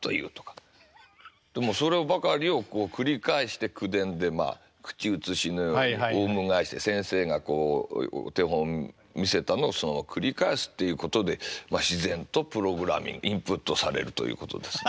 そればかりを繰り返して口伝で口移しのようにおうむ返しで先生がこうお手本を見せたのを繰り返すっていうことで自然とプログラミングインプットされるということですね。